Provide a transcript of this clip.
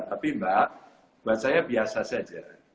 tapi mbak buat saya biasa saja